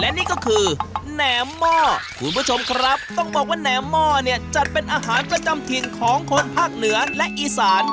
นี่ก็คือแหนมหม้อคุณผู้ชมครับต้องบอกว่าแหนมหม้อเนี่ยจัดเป็นอาหารประจำถิ่นของคนภาคเหนือและอีสาน